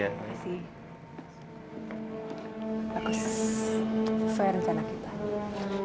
bagus fair dengan kita